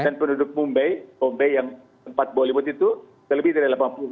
dan penduduk mumbai yang tempat bollywood itu lebih dari delapan puluh